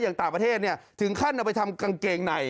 อย่างต่างประเทศถึงขั้นเอาไปทำกางเกงใน